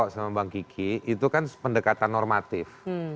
sama bang kiki itu kan pendekatan normatif